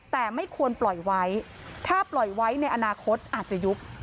แต่ไม่ควรปล่อยไว้ถ้าปล่อยไว้ในอนาคตอาจจะยุบ